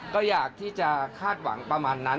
ก็อยากที่จะคาดหวังประมาณนั้น